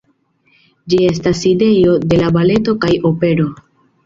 Ĝi estas sidejo de la baleto kaj opero.